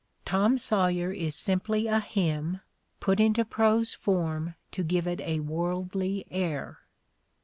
'Tom Sawyer' is simply a hymn, put into prose form to give it a worldly air.